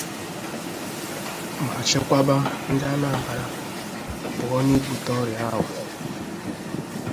ma chekwaba Ndị Anambra pụọ n'ibute ọrịa ahụ.